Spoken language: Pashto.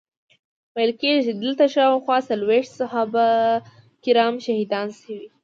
ویل کیږي چې دلته شاوخوا څلویښت صحابه کرام شهیدان شوي.